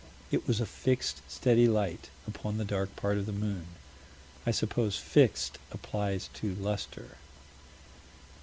"It was a fixed, steady light upon the dark part of the moon." I suppose "fixed" applies to luster.